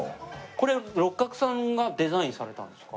これ六角さんがデザインされたんですか？